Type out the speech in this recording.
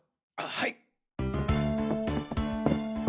はい！